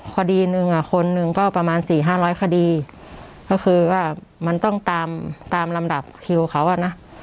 คดีหนึ่งอ่ะคนหนึ่งก็ประมาณสี่ห้าร้อยคดีก็คือว่ามันต้องตามตามลำดับคิวเขาอ่ะนะ